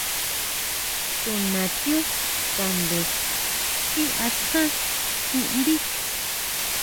Tunatiú kandu ti akján tindíi.